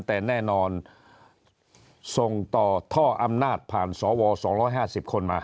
แต่แน่นอนส่งต่อท่ออำนาจผ่านสว๒๕๐คนมา